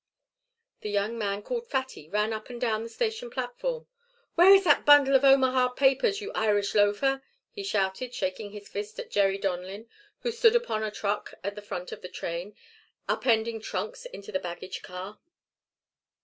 The young man called "Fatty" ran up and down the station platform. "Where is that bundle of Omaha papers, you Irish loafer?" he shouted, shaking his fist at Jerry Donlin who stood upon a truck at the front of the train, up ending trunks into the baggage car.